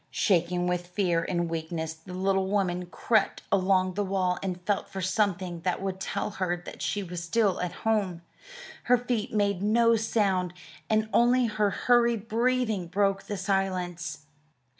Shaking with fear and weakness, the little woman crept along the wall and felt for something that would tell her that she was still at home. Her feet made no sound, and only her hurried breathing broke the silence.